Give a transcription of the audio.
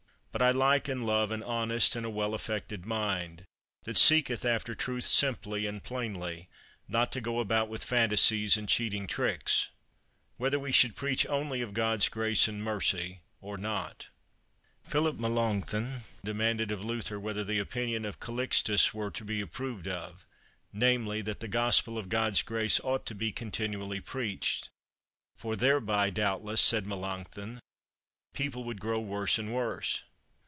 But I like and love an honest and a well affected mind, that seeketh after truth simply and plainly, not to go about with phantasies and cheating tricks. Whether we should preach only of God's Grace and Mercy, or not. Philip Melancthon demanded of Luther whether the opinion of Calixtus were to be approved of, namely, that the Gospel of God's Grace ought to be continually preached. For thereby, doubtless, said Melancthon, people would grow worse and worse.